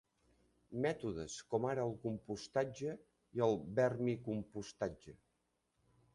Mètodes com ara el compostatge i el vermicompostatge.